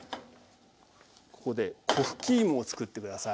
ここでこふきいもをつくって下さい。